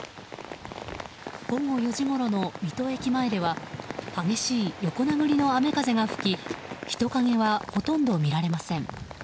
午後４時ごろの水戸駅前では激しい横殴りの雨風が吹き人影はほとんど見られません。